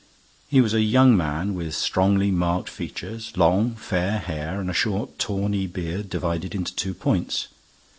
He was a young man with strongly marked features, long, fair hair and a short, tawny beard, divided into two points.